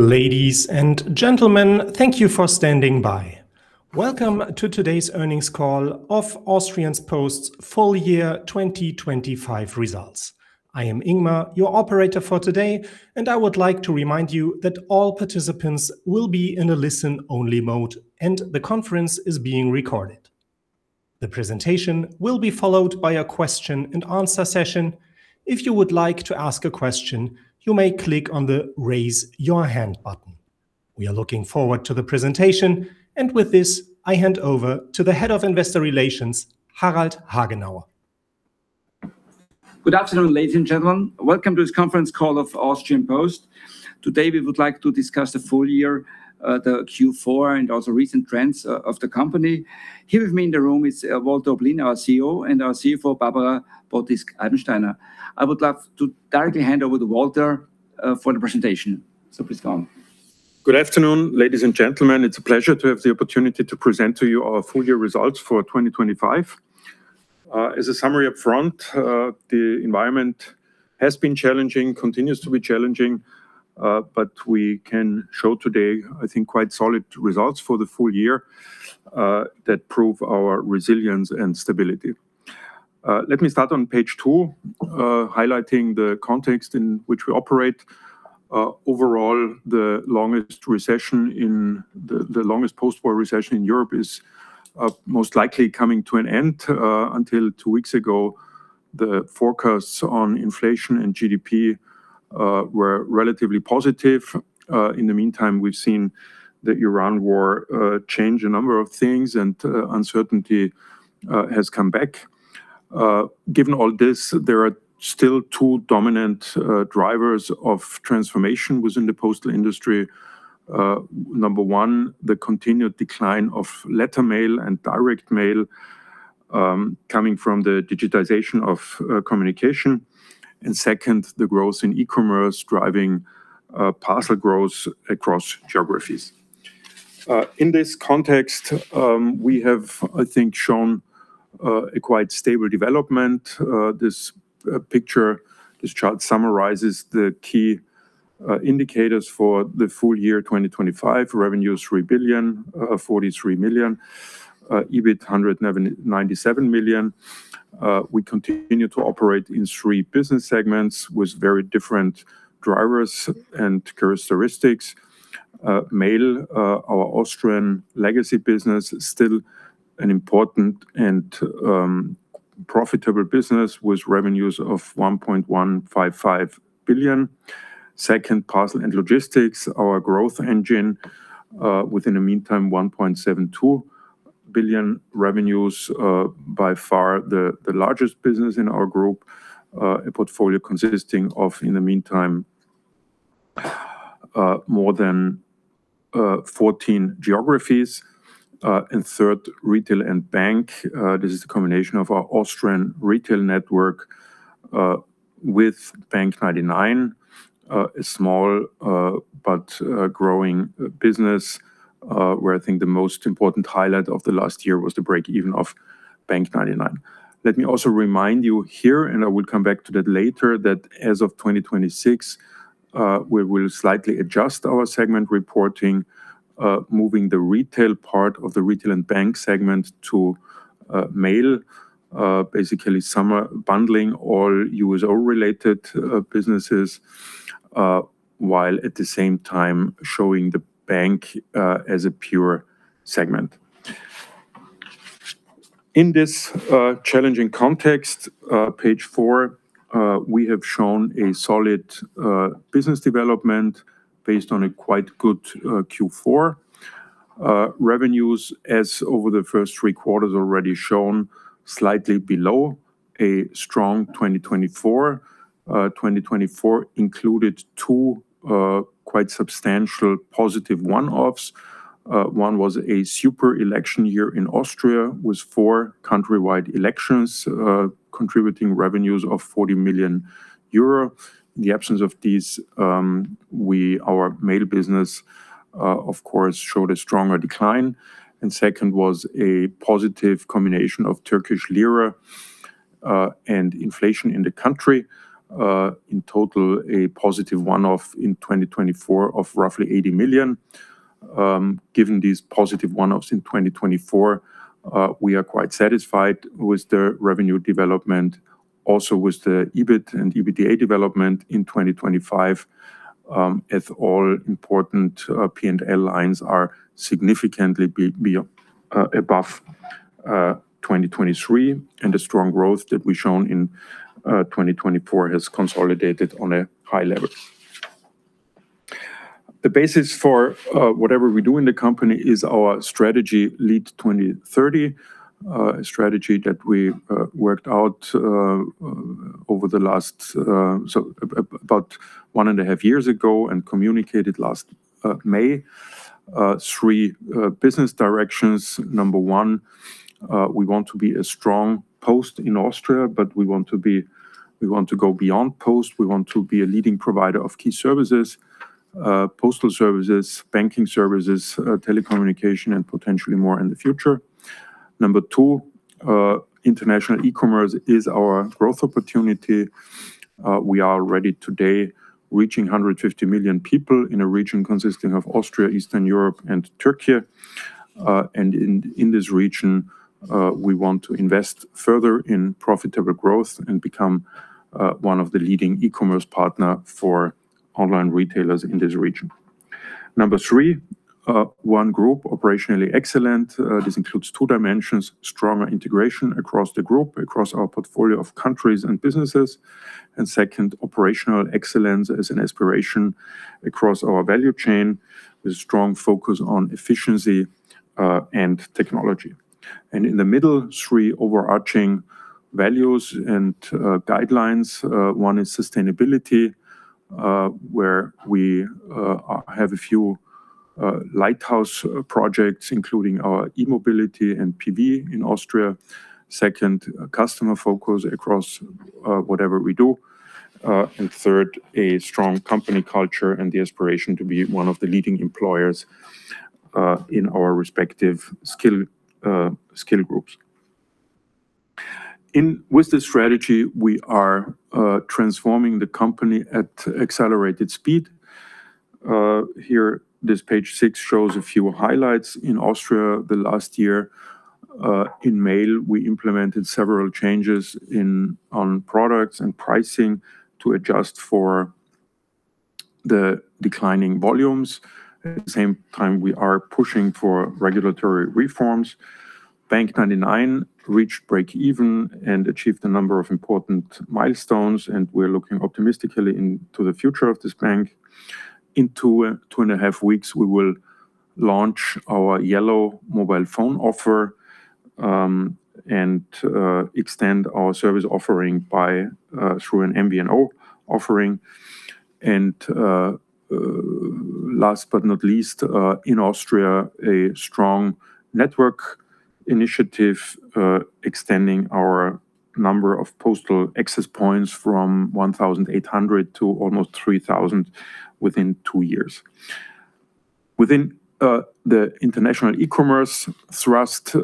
Ladies and gentlemen, thank you for standing by. Welcome to today's earnings call of Austrian Post's full year 2025 results. I am Ingmar, your operator for today, and I would like to remind you that all participants will be in a listen only mode, and the conference is being recorded. The presentation will be followed by a question and answer session. If you would like to ask a question, you may click on the Raise Your Hand button. We are looking forward to the presentation. With this, I hand over to the head of investor relations, Harald Hagenauer. Good afternoon, ladies and gentlemen. Welcome to this conference call of Austrian Post. Today, we would like to discuss the full year, the Q4 and also recent trends of the company. Here with me in the room is Walter Oblin, our CEO, and our CFO, Barbara Potisk-Eibensteiner. I would love to directly hand over to Walter for the presentation. Please go on. Good afternoon, ladies and gentlemen. It's a pleasure to have the opportunity to present to you our full year results for 2025. As a summary up front, the environment has been challenging, continues to be challenging, but we can show today, I think, quite solid results for the full year, that prove our resilience and stability. Let me start on page two, highlighting the context in which we operate. Overall, the longest post-war recession in Europe is most likely coming to an end. Until two weeks ago, the forecasts on inflation and GDP were relatively positive. In the meantime, we've seen the Iran war change a number of things, and uncertainty has come back. Given all this, there are still two dominant drivers of transformation within the postal industry. Number one, the continued decline of letter mail and direct mail coming from the digitization of communication. Second, the growth in e-commerce driving parcel growth across geographies. In this context, we have, I think, shown a quite stable development. This chart summarizes the key indicators for the full year 2025. Revenue is 3.043 billion. EBIT 97 million. We continue to operate in three business segments with very different drivers and characteristics. Mail, our Austrian legacy business is still an important and profitable business with revenues of 1.155 billion. Parcel and Logistics, our growth engine, in the meantime, 1.72 billion revenues, by far the largest business in our group. A portfolio consisting of, in the meantime, more than 14 geographies. Third, Retail and Bank. This is a combination of our Austrian retail network with bank99. A small, but growing business, where I think the most important highlight of the last year was the break-even of bank99. Let me also remind you here, and I will come back to that later, that as of 2026, we will slightly adjust our segment reporting, moving the retail part of the Retail and Bank segment to mail. Basically, summer bundling all USO related businesses, while at the same time showing the bank as a pure segment. In this challenging context, page four, we have shown a solid business development based on a quite good Q4. Revenues as over the first three quarters already shown slightly below a strong 2024. 2024 included two quite substantial positive one-offs. One was a super election year in Austria, with 4 countrywide elections contributing revenues of 40 million euro. In the absence of these, our mail business, of course, showed a stronger decline. Second was a positive combination of Turkish lira and inflation in the country. In total, a positive one-off in 2024 of roughly 80 million. Given these positive one-offs in 2024, we are quite satisfied with the revenue development, also with the EBIT and EBITDA development in 2025, as all important P&L lines are significantly above 2023, and the strong growth that we've shown in 2024 has consolidated on a high level. The basis for whatever we do in the company is our strategy LEAD 2030, a strategy that we worked out over the last about 1.5 years ago and communicated last May. Three business directions. Number one, we want to be a strong post in Austria, but we want to go beyond post. We want to be a leading provider of key services, postal services, banking services, telecommunication, and potentially more in the future. Number two, international e-commerce is our growth opportunity. We are ready today reaching 150 million people in a region consisting of Austria, Eastern Europe, and Turkey. In this region, we want to invest further in profitable growth and become one of the leading e-commerce partner for online retailers in this region. Number three, one group operationally excellent. This includes two dimensions, stronger integration across the group, across our portfolio of countries and businesses. Second, operational excellence as an aspiration across our value chain with strong focus on efficiency and technology. In the middle, three overarching values and guidelines. One is sustainability, where we have a few lighthouse projects, including our e-mobility and PV in Austria. Second, customer focus across whatever we do. And third, a strong company culture and the aspiration to be one of the leading employers in our respective skill groups. With this strategy, we are transforming the company at accelerated speed. Here, this page six shows a few highlights. In Austria last year, in mail, we implemented several changes in products and pricing to adjust for the declining volumes. At the same time, we are pushing for regulatory reforms. bank99 reached break even and achieved a number of important milestones, and we're looking optimistically into the future of this bank. In 2.5 weeks, we will launch our YELLLOW mobile phone offer and extend our service offering through an MVNO offering. Last but not least, in Austria, a strong network initiative extending our number of postal access points from 1,800 to almost 3,000 within 2 years. Within the international e-commerce thrust,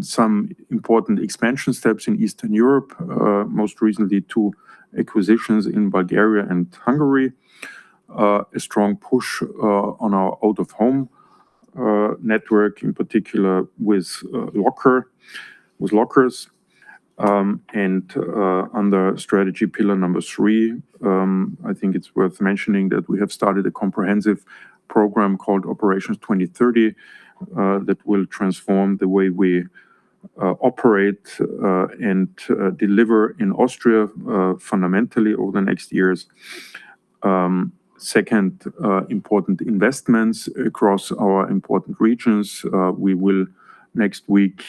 some important expansion steps in Eastern Europe, most recently two acquisitions in Bulgaria and Hungary. A strong push on our out-of-home network, in particular with lockers. Under strategy pillar number three, I think it's worth mentioning that we have started a comprehensive program called Operations 2030 that will transform the way we operate and deliver in Austria fundamentally over the next years. Second, important investments across our important regions. We will next week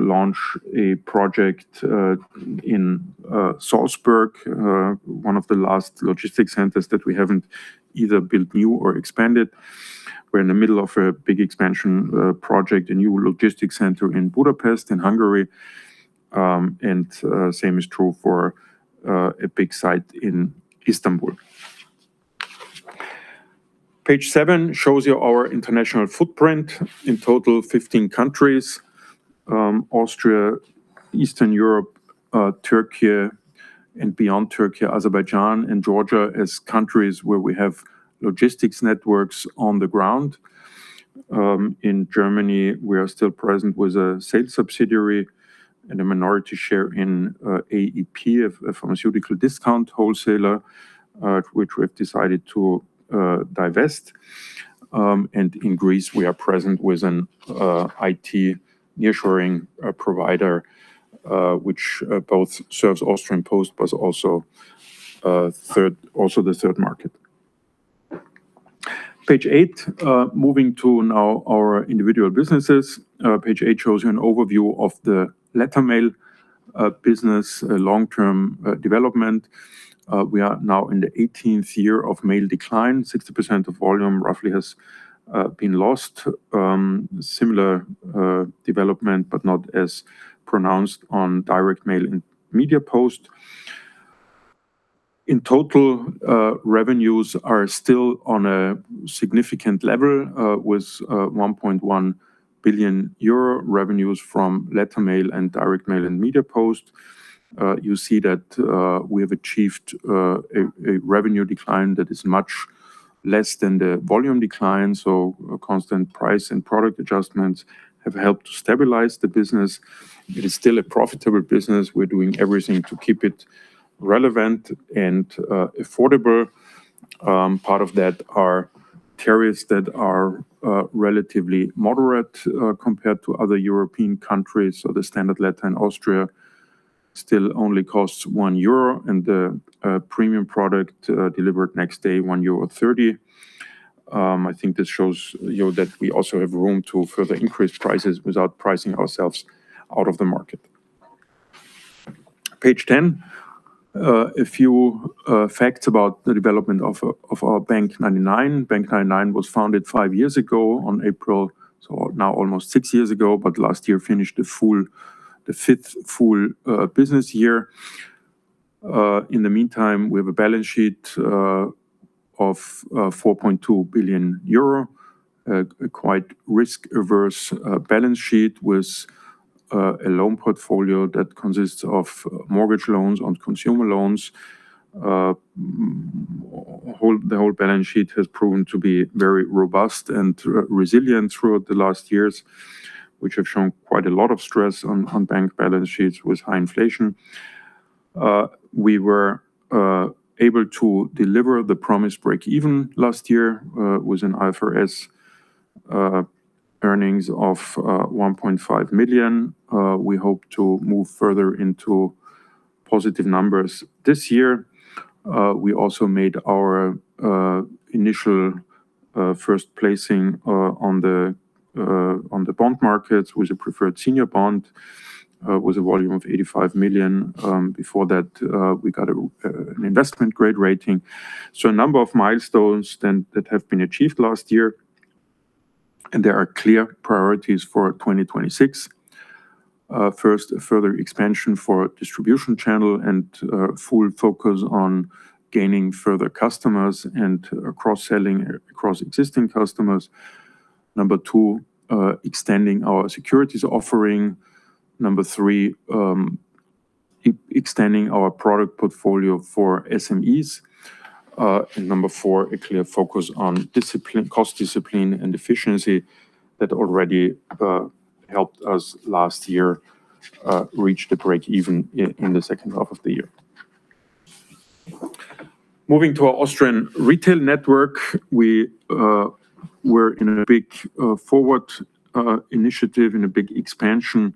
launch a project in Salzburg, one of the last logistics centers that we haven't either built new or expanded. We're in the middle of a big expansion project, a new logistics center in Budapest, in Hungary. Same is true for a big site in Istanbul. Page seven shows you our international footprint. In total, 15 countries, Austria, Eastern Europe, Turkey, and beyond Turkey, Azerbaijan and Georgia as countries where we have logistics networks on the ground. In Germany, we are still present with a sales subsidiary and a minority share in AEP, a pharmaceutical discount wholesaler, which we have decided to divest. In Greece, we are present with an IT nearshoring provider which both serves Austrian Post, but also the third market. Page eight, now moving to our individual businesses. Page eight shows you an overview of the letter mail business long-term development. We are now in the eighteenth year of mail decline. 60% of volume roughly has been lost. Similar development, but not as pronounced on direct mail and Media Post. In total, revenues are still on a significant level with 1.1 billion euro revenues from letter mail and direct mail and Media Post. You see that we have achieved a revenue decline that is much less than the volume decline, so constant price and product adjustments have helped to stabilize the business. It is still a profitable business. We're doing everything to keep it relevant and affordable. Part of that are tariffs that are relatively moderate compared to other European countries. The standard letter in Austria still only costs 1 euro, and the premium product delivered next day, 1.30 euro. I think this shows, you know, that we also have room to further increase prices without pricing ourselves out of the market. Page 10, a few facts about the development of our bank99. bank99 was founded 5 years ago on April, so now almost 6 years ago, but last year finished the full fifth business year. In the meantime, we have a balance sheet of 4.2 billion euro. A quite risk-averse balance sheet with a loan portfolio that consists of mortgage loans and consumer loans. The whole balance sheet has proven to be very robust and resilient throughout the last years, which have shown quite a lot of stress on bank balance sheets with high inflation. We were able to deliver the promised break even last year with an IFRS earnings of 1.5 million. We hope to move further into positive numbers this year. We also made our initial first placing on the bond markets with a preferred senior bond with a volume of 85 million. Before that, we got an investment grade rating. A number of milestones then that have been achieved last year, and there are clear priorities for 2026. First, a further expansion for distribution channel and full focus on gaining further customers and cross-selling across existing customers. Number two, extending our securities offering. Number three, extending our product portfolio for SMEs. Number four, a clear focus on discipline, cost discipline and efficiency that already helped us last year reach the break even in the second half of the year. Moving to our Austrian retail network, we were in a big forward initiative and a big expansion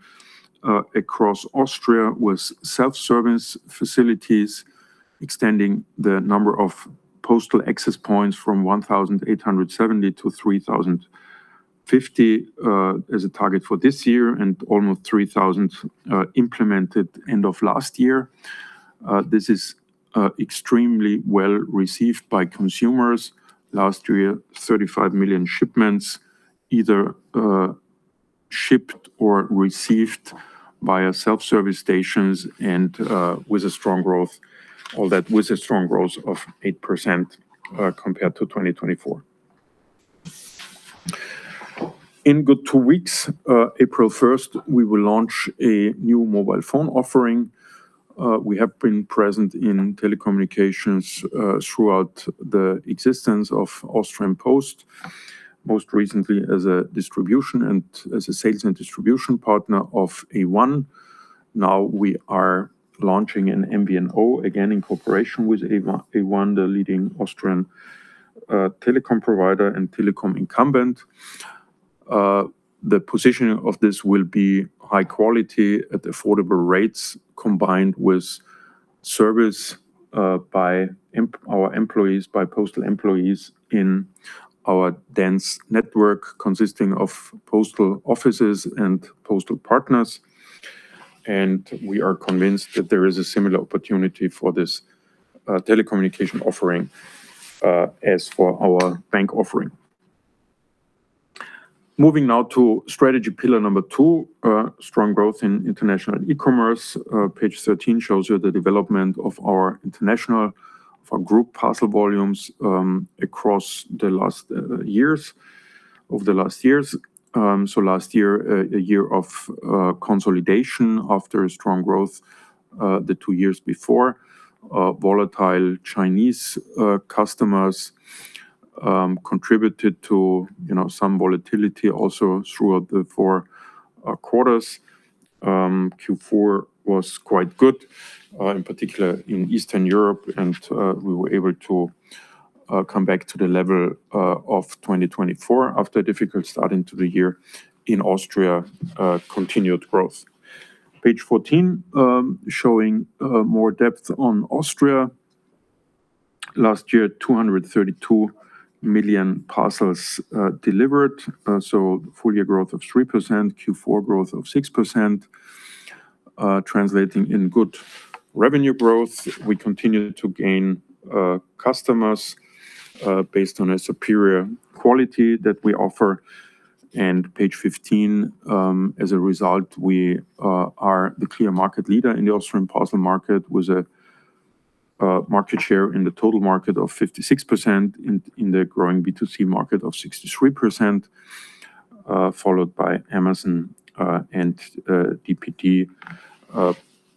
across Austria with self-service facilities extending the number of postal access points from 1,870 to 3,050 as a target for this year and almost 3,000 implemented end of last year. This is extremely well-received by consumers. Last year, 35 million shipments either shipped or received via self-service stations and with a strong growth. All that with a strong growth of 8% compared to 2024. In just two weeks, April first, we will launch a new mobile phone offering. We have been present in telecommunications throughout the existence of Austrian Post, most recently as a distribution and as a sales and distribution partner of A1. Now we are launching an MVNO again in cooperation with A1, the leading Austrian telecom provider and telecom incumbent. The positioning of this will be high quality at affordable rates combined with service by our employees, by postal employees in our dense network consisting of postal offices and postal partners. We are convinced that there is a similar opportunity for this telecommunication offering as for our bank offering. Moving now to strategy pillar number two, strong growth in international e-commerce. Page 13 shows you the development of our group parcel volumes over the last years. So last year a year of consolidation after a strong growth the 2 years before. Volatile Chinese customers contributed to you know some volatility also throughout the 4 quarters. Q4 was quite good in particular in Eastern Europe, and we were able to come back to the level of 2024 after a difficult start into the year. In Austria continued growth. Page 14 showing more depth on Austria. Last year, 232 million parcels delivered, so full year growth of 3%, Q4 growth of 6%, translating in good revenue growth. We continue to gain customers based on a superior quality that we offer. Page 15, as a result, we are the clear market leader in the Austrian parcel market with a market share in the total market of 56%, in the growing B2C market of 63%, followed by Amazon and DPD,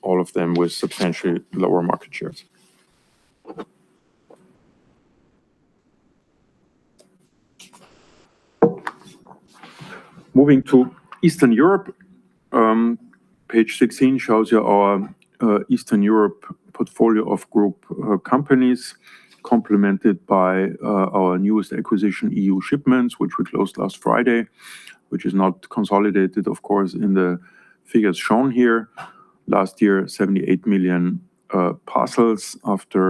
all of them with substantially lower market shares. Moving to Eastern Europe, page 16 shows you our Eastern Europe portfolio of group companies complemented by our newest acquisition, euShipments.com, which we closed last Friday, which is not consolidated, of course, in the figures shown here. Last year, 78 million parcels after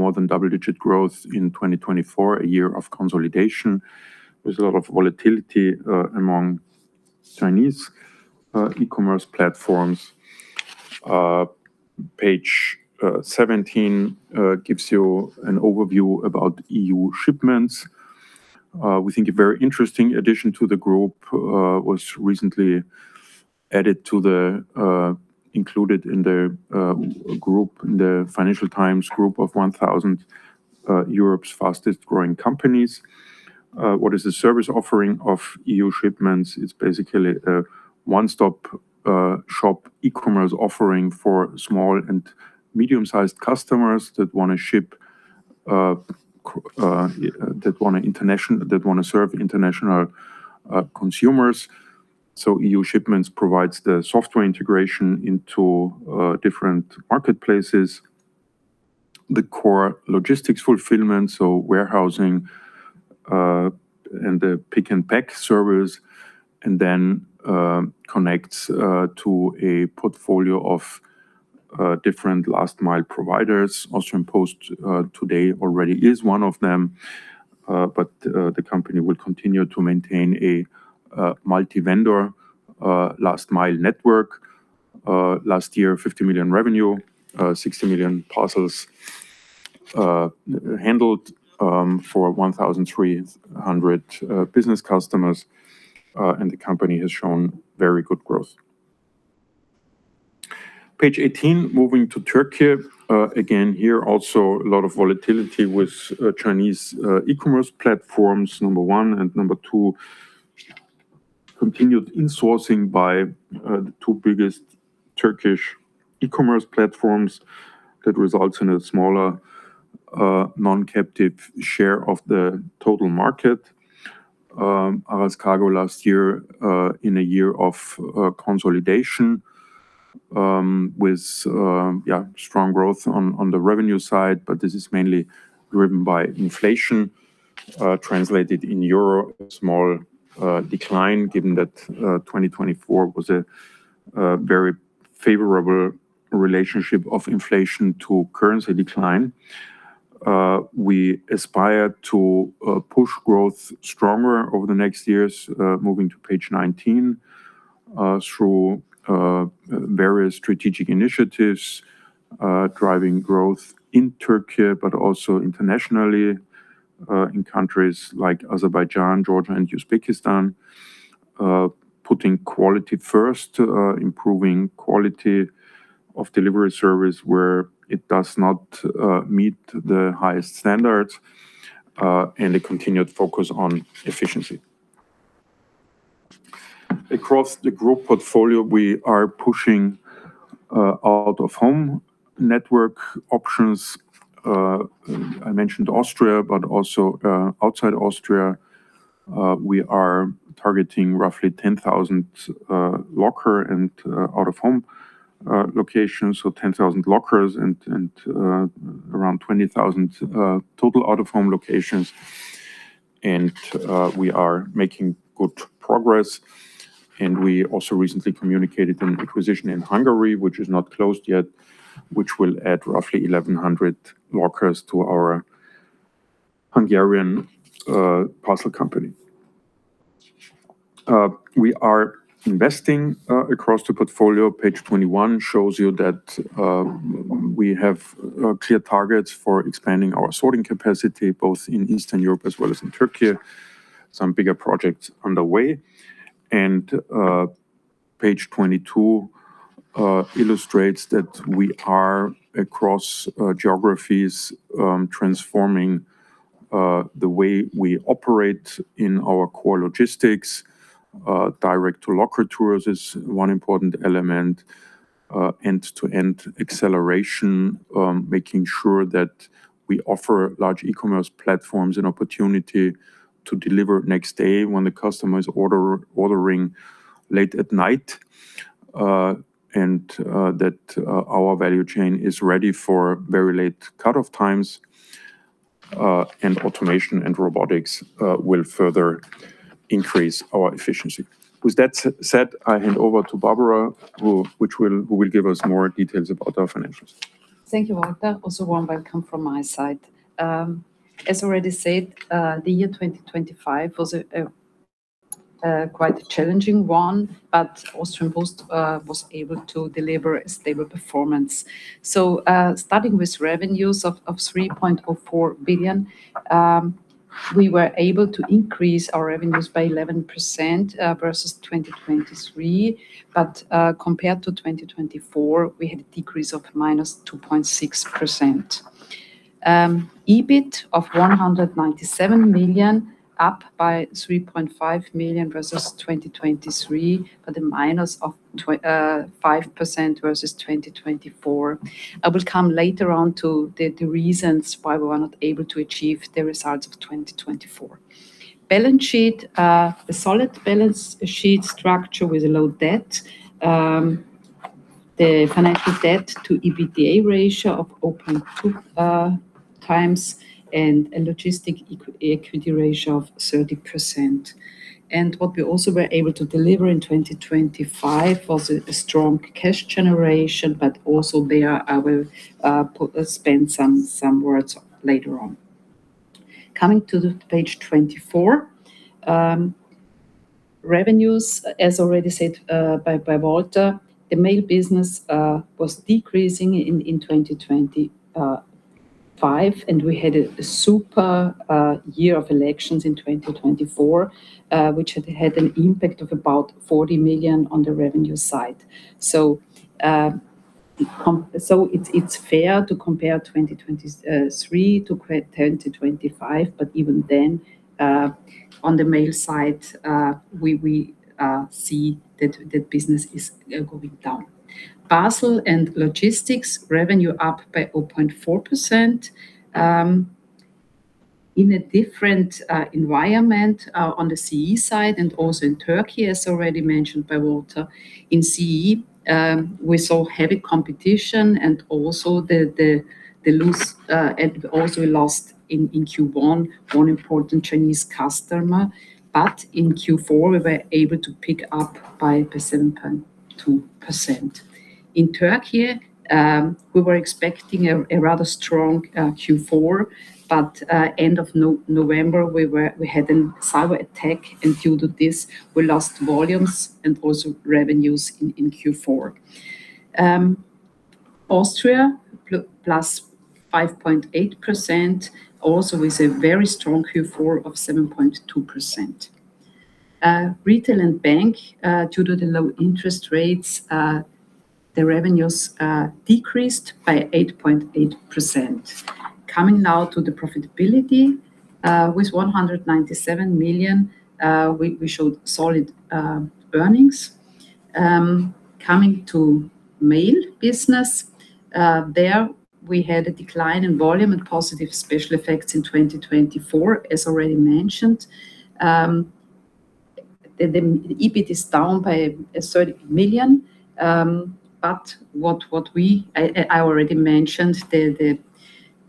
more than double-digit growth in 2024, a year of consolidation. There's a lot of volatility among Chinese e-commerce platforms. Page 17 gives you an overview about euShipments.com. We think a very interesting addition to the group was recently included in the group, in the Financial Times group of 1,000 Europe's fastest-growing companies. What is the service offering of euShipments.com? It's basically a one-stop shop e-commerce offering for small and medium-sized customers that wanna serve international consumers. euShipments.com provides the software integration into different marketplaces. The core logistics fulfillment, so warehousing and the pick and pack service, and then connects to a portfolio of different last-mile providers. Austrian Post today already is one of them, but the company will continue to maintain a multi-vendor last-mile network. Last year, 50 million revenue, 60 million parcels handled for 1,300 business customers, and the company has shown very good growth. Page 18, moving to Turkey. Again, here also a lot of volatility with Chinese e-commerce platforms, number one and number two. Continued insourcing by the two biggest Turkish e-commerce platforms that results in a smaller non-captive share of the total market. Aras Kargo last year, in a year of consolidation, with strong growth on the revenue side, but this is mainly driven by inflation, translated into euro, a small decline given that 2024 was a very favorable relationship of inflation to currency decline. We aspire to push growth stronger over the next years, moving to page 19, through various strategic initiatives, driving growth in Turkey but also internationally, in countries like Azerbaijan, Georgia, and Uzbekistan. Putting quality first, improving quality of delivery service where it does not meet the highest standards, and a continued focus on efficiency. Across the group portfolio, we are pushing out-of-home network options. I mentioned Austria, but also outside Austria, we are targeting roughly 10,000 locker and out-of-home locations. 10,000 lockers and around 20,000 total out-of-home locations. We are making good progress. We also recently communicated an acquisition in Hungary, which is not closed yet, which will add roughly 1,100 lockers to our Hungarian parcel company. We are investing across the portfolio. Page 21 shows you that we have clear targets for expanding our sorting capacity, both in Eastern Europe as well as in Turkey. Some bigger projects underway. Page 22 illustrates that we are across geographies, transforming the way we operate in our core logistics. Direct-to-locker tours is one important element. End-to-end acceleration, making sure that we offer large e-commerce platforms an opportunity to deliver next day when the customer is ordering late at night. That our value chain is ready for very late cutoff times. Automation and robotics will further increase our efficiency. With that said, I hand over to Barbara, who will give us more details about our financials. Thank you, Walter. A warm welcome from my side. As already said, the year 2025 was a quite challenging one, but Austrian Post was able to deliver a stable performance. Starting with revenues of 3.04 billion, we were able to increase our revenues by 11% versus 2023. Compared to 2024, we had a decrease of -2.6%. EBIT of 197 million, up by 3.5 million versus 2023, but a minus of -25% versus 2024. I will come later on to the reasons why we were not able to achieve the results of 2024. Balance sheet. A solid balance sheet structure with a low debt. The financial debt to EBITDA ratio of 0.2 times and a logistics equity ratio of 30%. What we also were able to deliver in 2025 was a strong cash generation, but also there I will spend some words later on. Coming to the page 24, Revenues, as already said by Walter, the mail business was decreasing in 2025, and we had a super year of elections in 2024, which had an impact of about 40 million on the revenue side. It's fair to compare 2023 to 2024 to 2025, but even then, on the mail side, we see that business is going down. Parcel and Logistics revenue up by 0.4%, in a different environment on the CEE side and also in Turkey, as already mentioned by Walter. In CEE, we saw heavy competition and also the loss, and also we lost in Q1 one important Chinese customer. In Q4, we were able to pick up by 0.2%. In Turkey, we were expecting a rather strong Q4, but end of November, we had a cyberattack. Due to this, we lost volumes and also revenues in Q4. Austria plus 5.8% also with a very strong Q4 of 7.2%. Retail and Bank, due to the low interest rates, the revenues decreased by 8.8%. Coming now to the profitability, with 197 million, we showed solid earnings. Coming to mail business, there we had a decline in volume and positive special effects in 2024, as already mentioned. The EBIT is down by 30 million. I already mentioned the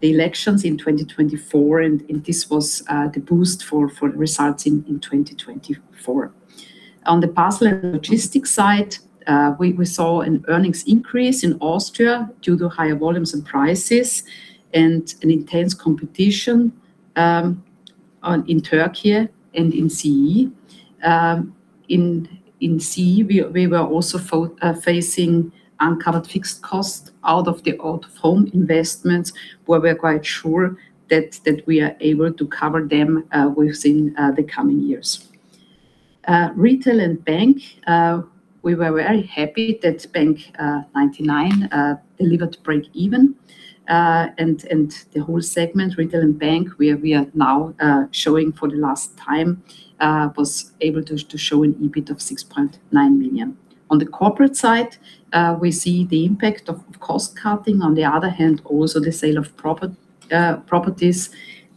elections in 2024 and this was the boost for results in 2024. On the parcel and logistics side, we saw an earnings increase in Austria due to higher volumes and prices and an intense competition in Turkey and in CEE. In CEE, we were also facing uncovered fixed costs out of the out-of-home investments, where we're quite sure that we are able to cover them within the coming years. Retail and bank, we were very happy that Bank99 delivered breakeven. The whole segment, retail and bank, where we are now showing for the last time, was able to show an EBIT of 6.9 million. On the corporate side, we see the impact of cost cutting. On the other hand, also the sale of properties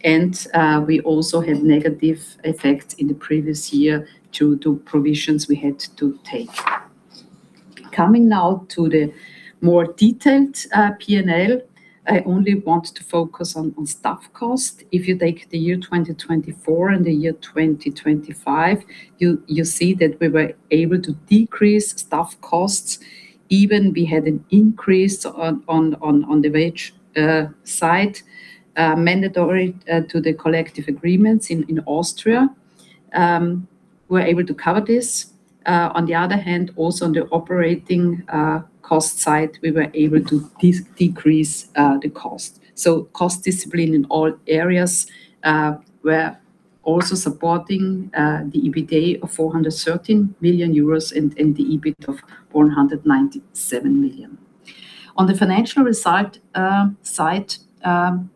and we also had negative effects in the previous year due to provisions we had to take. Coming now to the more detailed P&L, I only want to focus on staff cost. If you take the year 2024 and the year 2025, you'll see that we were able to decrease staff costs. Even we had an increase on the wage side, mandatory to the collective agreements in Austria. We're able to cover this. On the other hand, also on the operating cost side, we were able to decrease the cost. Cost discipline in all areas were also supporting the EBITDA of 413 million euros and the EBIT of 497 million. On the financial result side,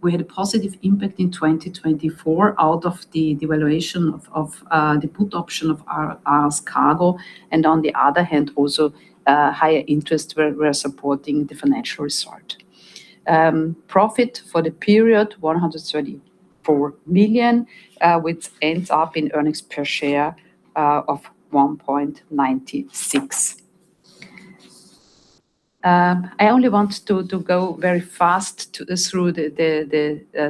we had a positive impact in 2024 out of the devaluation of the put option of our Aras Kargo. On the other hand, also, higher interest were supporting the financial result. Profit for the period 134 million, which ends up in earnings per share of 1.96. I only want to go very fast through the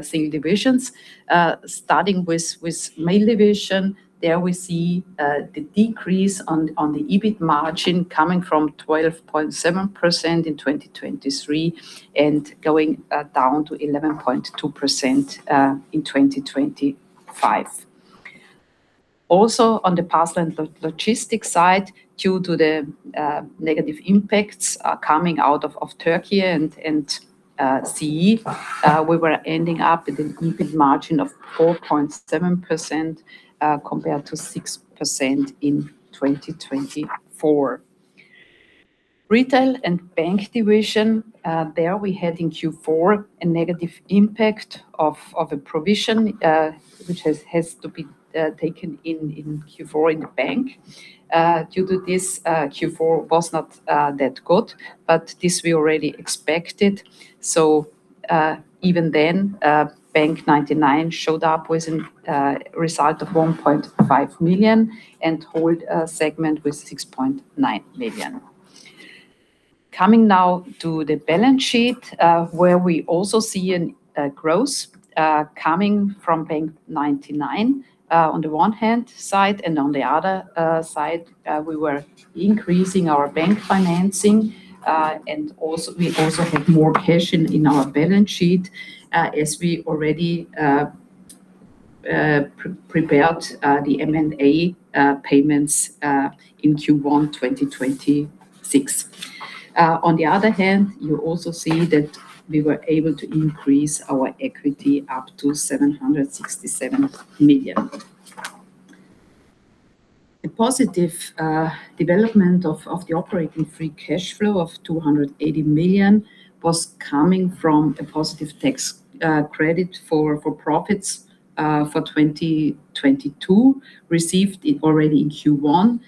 single divisions. Starting with mail division, there we see the decrease in the EBIT margin coming from 12.7% in 2023 and going down to 11.2% in 2025. Also, on the parcel and logistics side, due to the negative impacts coming out of Turkey and CEE, we were ending up with an EBIT margin of 4.7%, compared to 6% in 2024. Retail and Bank division, there we had in Q4 a negative impact of a provision, which has to be taken in Q4 in bank. Due to this, Q4 was not that good, but this we already expected. Even then, bank99 showed up with a result of 1.5 million and Mail segment with 6.9 million. Coming now to the balance sheet, where we also see a growth coming from bank99 on the one hand side. On the other side, we were increasing our bank financing, and we also have more cash in our balance sheet, as we already pre-prepared the M&A payments in Q1 2026. On the other hand, you also see that we were able to increase our equity up to 767 million. The positive development of the operating free cash flow of 280 million was coming from a positive tax credit for profits for 2022 received it already in Q1.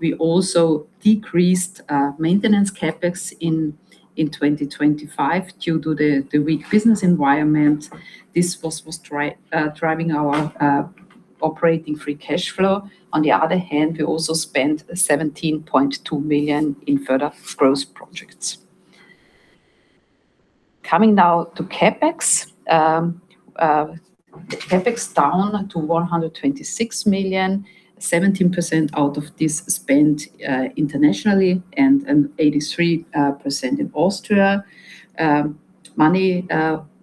We also decreased maintenance CapEx in 2025 due to the weak business environment. This was driving our operating free cash flow. On the other hand, we also spent 17.2 million in further growth projects. Coming now to CapEx. CapEx down to 126 million. 17% out of this spent internationally and 83% in Austria. Money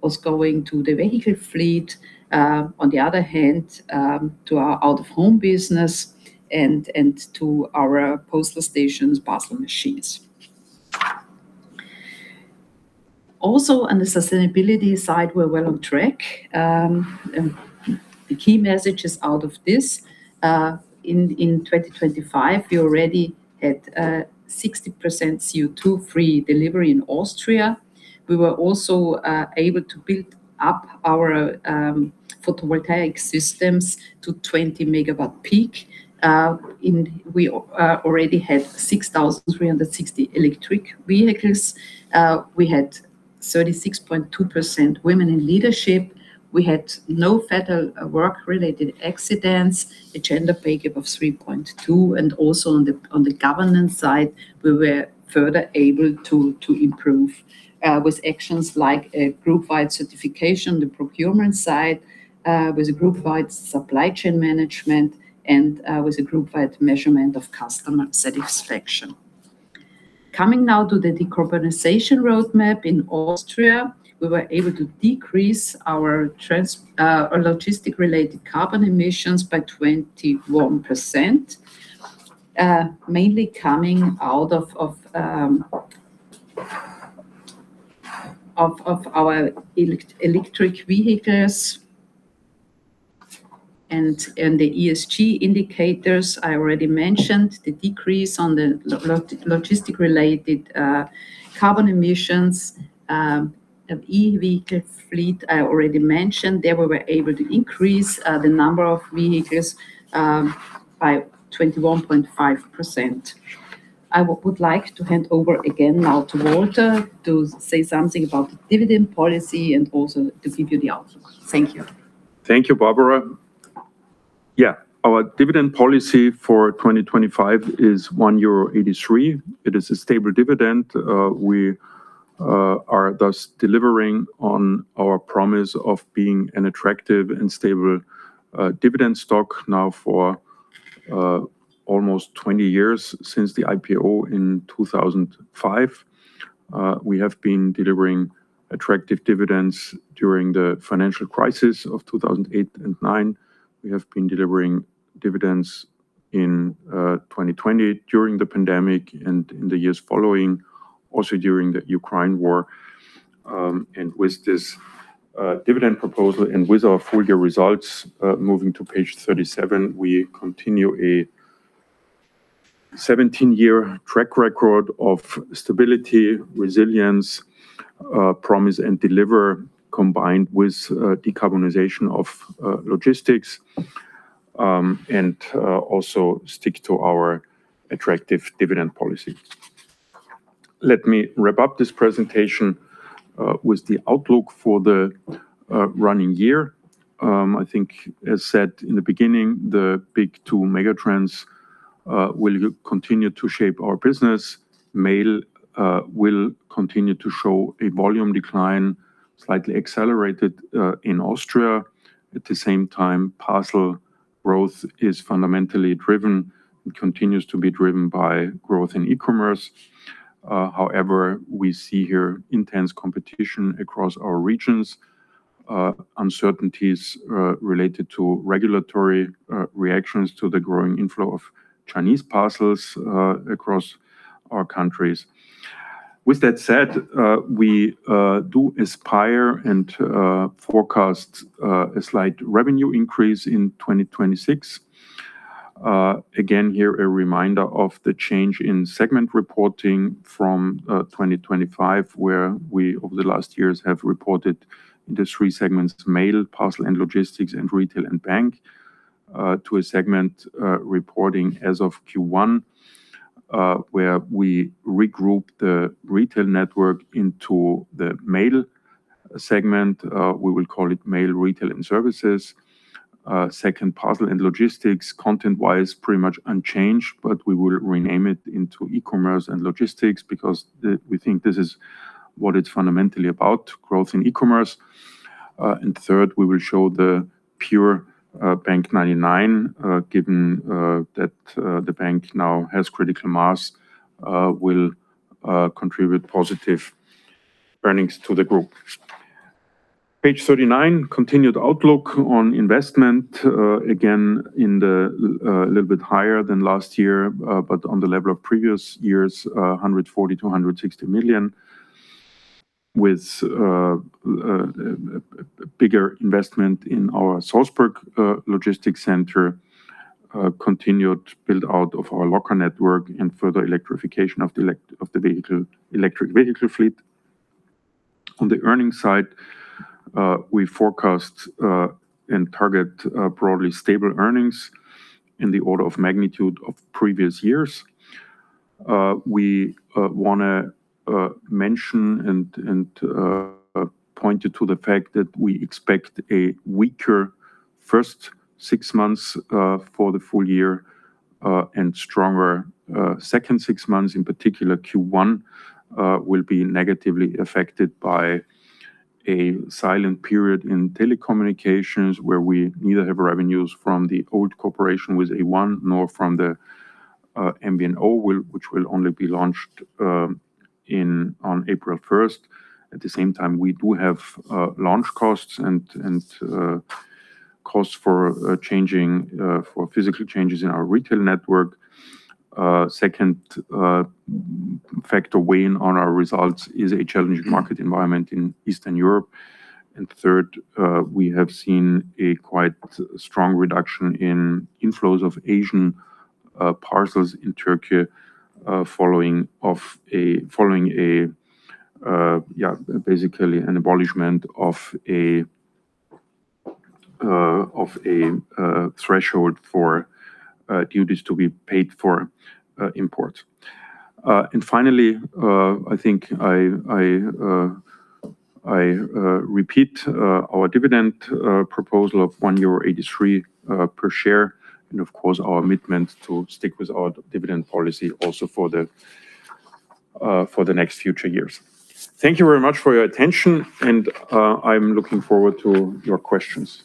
was going to the vehicle fleet. On the other hand, to our out-of-home business and to our postal stations parcel machines. Also, on the sustainability side, we're well on track. The key messages out of this, in 2025, we already had 60% CO2 free delivery in Austria. We were also able to build up our photovoltaic systems to 20 MW peak. We already had 6,360 electric vehicles. We had 36.2% women in leadership. We had no fatal work-related accidents, a gender pay gap of 3.2, and also on the governance side, we were further able to improve with actions like a group-wide certification, the procurement side with a group-wide supply chain management, and with a group-wide measurement of customer satisfaction. Coming now to the decarbonization roadmap in Austria. We were able to decrease our logistic-related carbon emissions by 21%, mainly coming out of our electric vehicles. The ESG indicators, I already mentioned the decrease on the logistic-related carbon emissions of EV fleet, I already mentioned. There we were able to increase the number of vehicles by 21.5%. I would like to hand over again now to Walter to say something about the dividend policy and also to give you the outlook. Thank you. Thank you, Barbara. Yeah. Our dividend policy for 2025 is 1.83 euro. It is a stable dividend. We are thus delivering on our promise of being an attractive and stable dividend stock now for almost 20 years since the IPO in 2005. We have been delivering attractive dividends during the financial crisis of 2008 and 2009. We have been delivering dividends in 2020 during the pandemic and in the years following, also during the Ukraine war. With this dividend proposal and with our full year results, moving to page 37, we continue a 17-year track record of stability, resilience, promise and deliver, combined with decarbonization of logistics, and also stick to our attractive dividend policy. Let me wrap up this presentation with the outlook for the running year. I think as said in the beginning, the big two mega trends will continue to shape our business. Mail will continue to show a volume decline, slightly accelerated, in Austria. At the same time, parcel growth is fundamentally driven and continues to be driven by growth in e-commerce. However, we see here intense competition across our regions, uncertainties related to regulatory reactions to the growing inflow of Chinese parcels across our countries. With that said, we do aspire and forecast a slight revenue increase in 2026. Again, here, a reminder of the change in segment reporting from 2025, where we over the last years have reported industry segments, Mail, Parcel and Logistics and Retail and Bank, to a segment reporting as of Q1, where we regroup the retail network into the mail segment. We will call it Mail, Retail and Services. Second, Parcel and Logistics, content-wise, pretty much unchanged, but we will rename it into E-commerce and Logistics because we think this is what it's fundamentally about, growth in e-commerce. Third, we will show the pure bank99. Given that the bank now has critical mass, will contribute positive earnings to the group. Page 39, continued outlook on investment, again, in the little bit higher than last year, but on the level of previous years, 140 million-160 million with bigger investment in our Salzburg logistics center, continued build-out of our locker network and further electrification of the electric vehicle fleet. On the earnings side, we forecast and target broadly stable earnings in the order of magnitude of previous years. We wanna mention and point you to the fact that we expect a weaker first six months for the full year and stronger second six months. In particular, Q1 will be negatively affected by a silent period in telecommunications, where we neither have revenues from the old corporation with A1 nor from the MVNO, which will only be launched on April 1st. At the same time, we do have launch costs and costs for physical changes in our retail network. Second factor weighing on our results is a challenging market environment in Eastern Europe. Third, we have seen a quite strong reduction in inflows of Asian parcels in Turkey following basically an abolishment of a threshold for duties to be paid for imports. Finally, I think I repeat our dividend proposal of 1.83 euro per share and of course our commitment to stick with our dividend policy also for the next future years. Thank you very much for your attention, and I'm looking forward to your questions.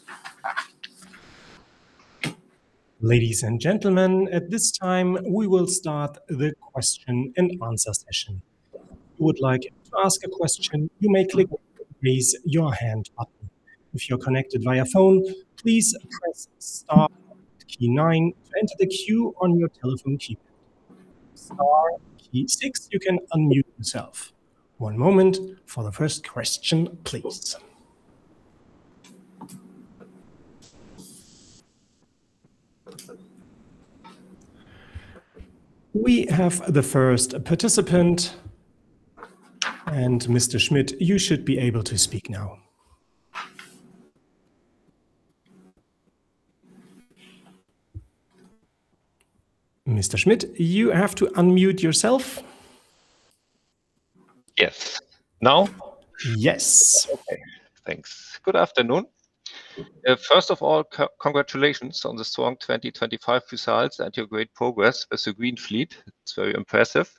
Ladies and gentlemen, at this time, we will start the question and answer session. If you would like to ask a question, you may click the Raise Your Hand button. If you're connected via phone, please press star key nine to enter the queue on your telephone keypad. Star key six, you can unmute yourself. One moment for the first question, please. We have the first participant. Mr. Schmidt, you should be able to speak now. Mr. Schmidt, you have to unmute yourself. Yes. Now? Yes. Okay. Thanks. Good afternoon. First of all, congratulations on the strong 2025 results and your great progress as a green fleet. It's very impressive.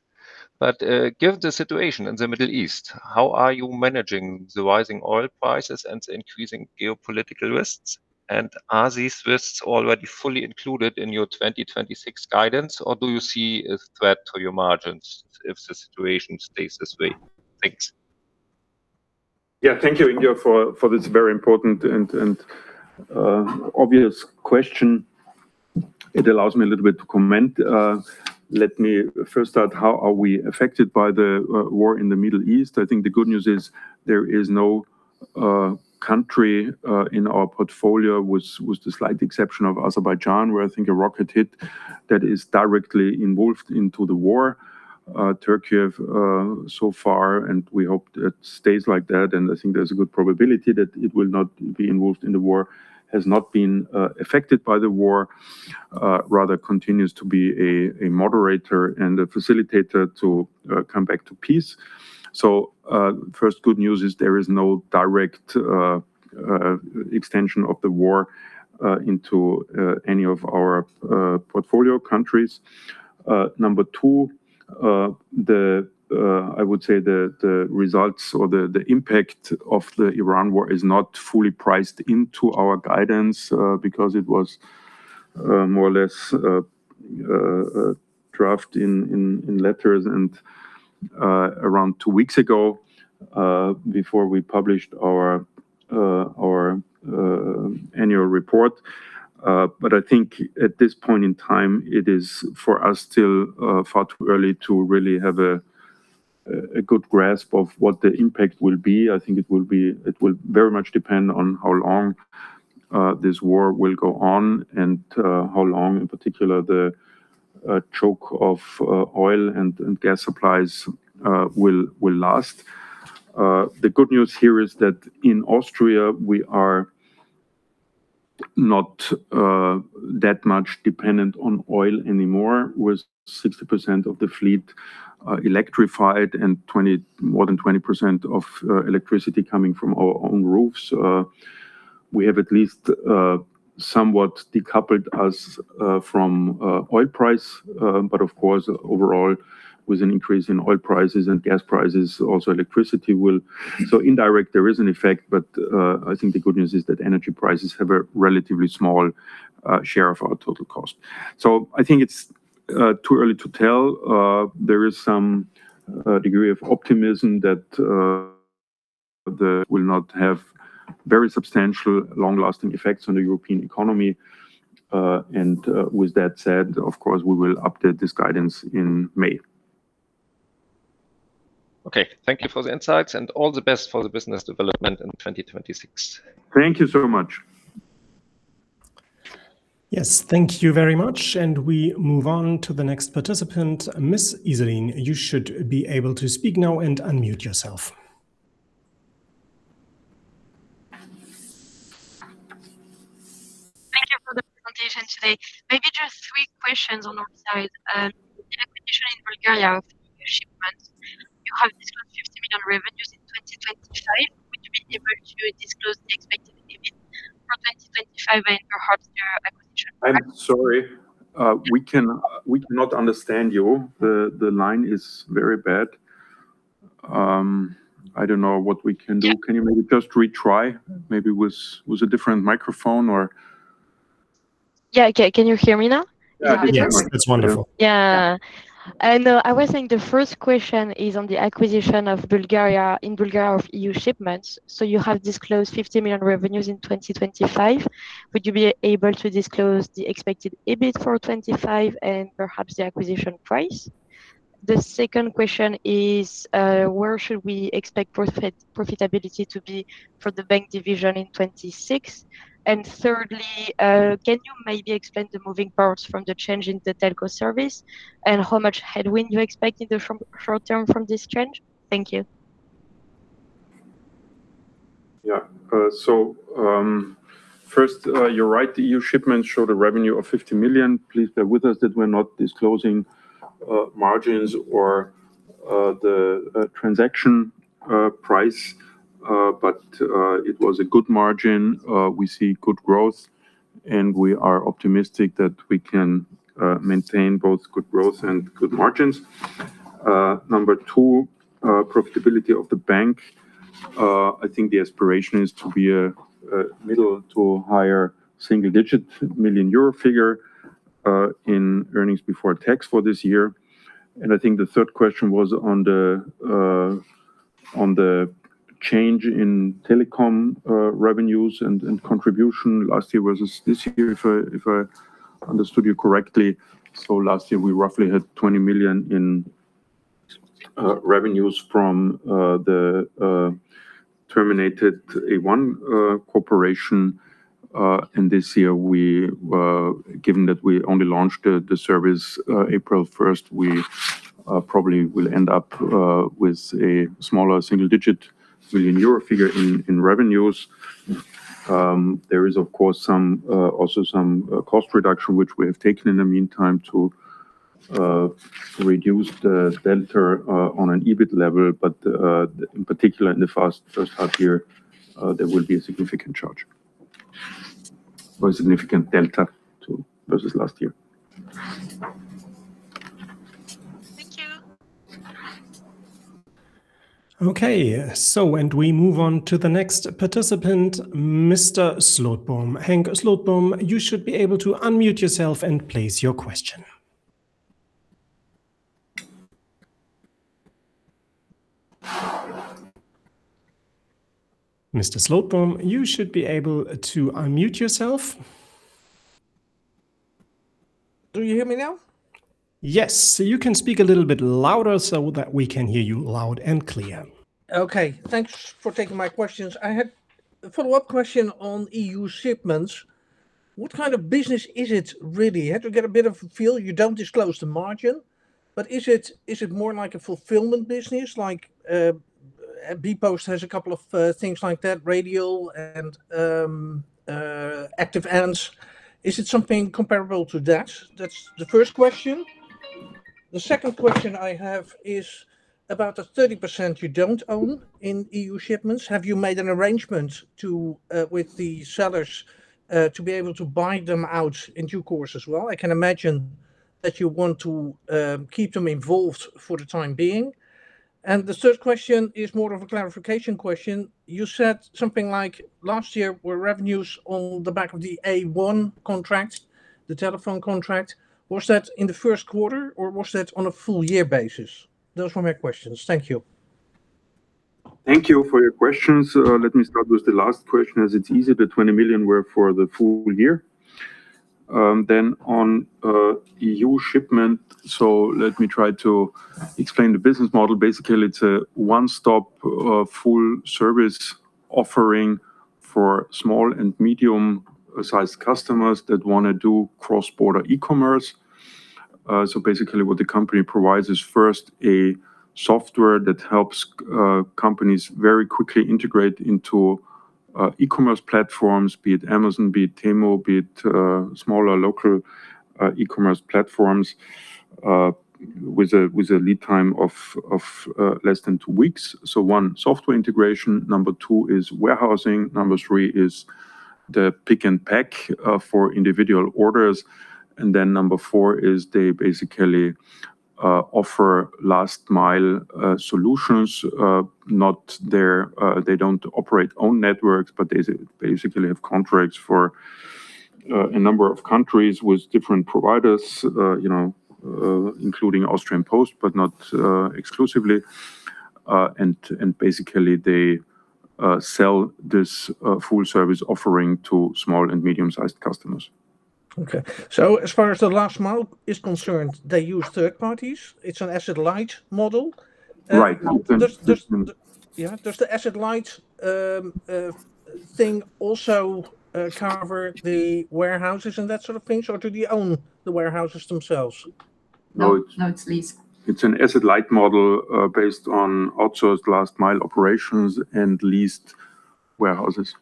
Given the situation in the Middle East, how are you managing the rising oil prices and the increasing geopolitical risks? And are these risks already fully included in your 2026 guidance, or do you see a threat to your margins if the situation stays this way? Thanks. Yeah. Thank you, Ingo, for this very important and obvious question. It allows me a little bit to comment. Let me first start. How are we affected by the war in the Middle East? I think the good news is there is no country in our portfolio, with the slight exception of Azerbaijan, where I think a rocket hit, that is directly involved into the war. Turkey has so far, and we hope it stays like that, and I think there's a good probability that it will not be involved in the war, has not been affected by the war, rather continues to be a moderator and a facilitator to come back to peace. First good news is there is no direct extension of the war into any of our portfolio countries. Number two, I would say the results or the impact of the Iran war is not fully priced into our guidance, because it was more or less an attack on Israel around 2 weeks ago before we published our annual report. I think at this point in time, it is for us still far too early to really have a good grasp of what the impact will be. I think it will very much depend on how long this war will go on and how long in particular the choke of oil and gas supplies will last. The good news here is that in Austria, we are not that much dependent on oil anymore. With 60% of the fleet electrified and more than 20% of electricity coming from our own roofs, we have at least somewhat decoupled us from oil price. But of course, overall, with an increase in oil prices and gas prices, also electricity will. Indirectly, there is an effect, but I think the good news is that energy prices have a relatively small share of our total cost. I think it's too early to tell. There is some degree of optimism that they will not have very substantial long-lasting effects on the European economy. With that said, of course, we will update this guidance in May. Okay. Thank you for the insights and all the best for the business development in 2026. Thank you so much. Yes, thank you very much. We move on to the next participant. Ms. Iseline, you should be able to speak now and unmute yourself. Thank you for the presentation today. Maybe just three questions on our side. The acquisition in Bulgaria of euShipments.com, you have disclosed EUR 50 million revenues in 2025. Would you be able to disclose the expected EBIT for 2025 and perhaps the acquisition price? I'm sorry. We cannot understand you. The line is very bad. I don't know what we can do. Can you maybe just retry maybe with a different microphone or? Yeah, okay. Can you hear me now? Yeah. We can. Yes. It's wonderful. Yeah. I was saying the first question is on the acquisition in Bulgaria of euShipments.com. You have disclosed 50 million revenues in 2025. Would you be able to disclose the expected EBIT for 2025 and perhaps the acquisition price? The second question is, where should we expect profitability to be for the bank division in 2026? Thirdly, can you maybe explain the moving parts from the change in the telco service, and how much headwind you expect in the short-term from this change? Thank you. First, you're right. euShipments shows the revenue of 50 million. Please bear with us that we're not disclosing margins or the transaction price. But it was a good margin. We see good growth, and we are optimistic that we can maintain both good growth and good margins. Number two, profitability of the bank. I think the aspiration is to be a middle- to higher single-digit million EUR figure in earnings before tax for this year. I think the third question was on the change in telecom revenues and contribution last year versus this year, if I understood you correctly. Last year, we roughly had 20 million in revenues from the terminated A1 cooperation. Given that we only launched the service April first, we probably will end up with a smaller single-digit million EUR figure in revenues. There is, of course, also some cost reduction, which we have taken in the meantime to reduce the delta on an EBIT level. In particular in the first half year, there will be a significant charge or a significant delta to versus last year. Thank you. We move on to the next participant, Mr. Slotboom. Henk Slotboom, you should be able to unmute yourself and place your question. Mr. Slotboom, you should be able to unmute yourself. Do you hear me now? Yes. You can speak a little bit louder so that we can hear you loud and clear. Okay. Thanks for taking my questions. I had a follow-up question on euShipments. What kind of business is it really? Had to get a bit of a feel. You don't disclose the margin, but is it more like a fulfillment business? Like, bpost has a couple of things like that, Radial and Active Ants. Is it something comparable to that? That's the first question. The second question I have is about the 30% you don't own in euShipments. Have you made an arrangement to with the sellers to be able to buy them out in due course as well? I can imagine that you want to keep them involved for the time being. The third question is more of a clarification question. You said something like last year were revenues on the back of the A1 contract, the telephone contract. Was that in the first quarter, or was that on a full year basis? Those were my questions. Thank you. Thank you for your questions. Let me start with the last question, as it's easy. The 20 million were for the full year. On euShipments, so let me try to explain the business model. Basically, it's a one-stop full service offering for small and medium-sized customers that wanna do cross-border e-commerce. Basically what the company provides is first a software that helps companies very quickly integrate into e-commerce platforms, be it Amazon, be it Temu, be it smaller local e-commerce platforms with a lead time of less than 2 weeks. One, software integration. Number two is warehousing. Number three is the pick and pack for individual orders. Number four is they basically offer last mile solutions. Not their own networks, but they basically have contracts for a number of countries with different providers, you know, including Austrian Post, but not exclusively. And basically they sell this full service offering to small and medium-sized customers. Okay. As far as the last mile is concerned, they use third parties? It's an asset light model. Right. Does And this and- Yeah. Does the asset-light thing also cover the warehouses and that sort of thing, or do you own the warehouses themselves? No. No, it's leased. It's an asset light model, based on outsourced last mile operations and leased warehouses.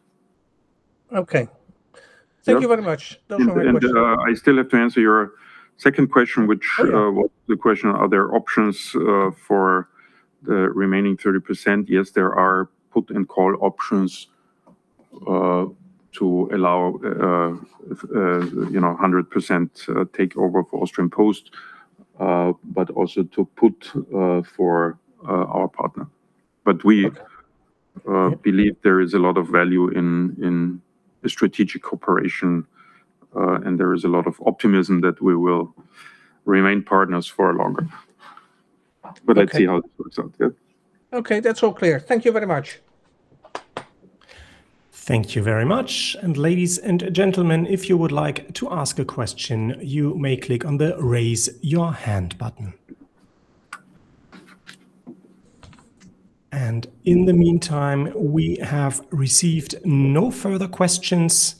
Okay. Yeah. Thank you very much. Those were my questions. I still have to answer your second question, which. Oh, yeah. was the question, are there options for the remaining 30%? Yes, there are put and call options to allow you know, a 100% takeover for Austrian Post, but also to put for our partner. But we- Okay. Yeah Believe there is a lot of value in the strategic operation, and there is a lot of optimism that we will remain partners for longer. Okay. Let's see how it works out. Yeah. Okay. That's all clear. Thank you very much. Thank you very much. Ladies and gentlemen, if you would like to ask a question, you may click on the Raise Your Hand button. In the meantime, we have received no further questions,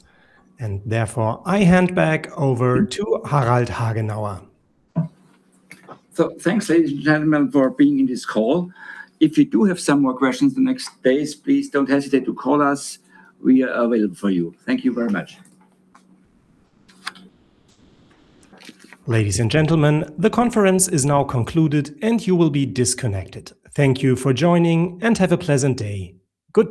and therefore, I hand back over to Harald Hagenauer. Thanks, ladies and gentlemen, for being in this call. If you do have some more questions the next days, please don't hesitate to call us. We are available for you. Thank you very much. Ladies and gentlemen, the conference is now concluded, and you will be disconnected. Thank you for joining, and have a pleasant day. Goodbye.